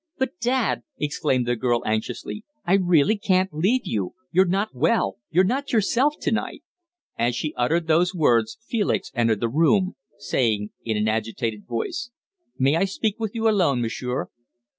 "But, dad," exclaimed the girl anxiously, "I really can't leave you. You're not well. You're not yourself to night." As she uttered those words, Felix entered the room, saying in an agitated voice "May I speak with you alone, m'sieur?"